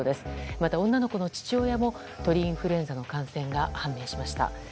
また、女の子の父親も鳥インフルエンザの感染が判明しました。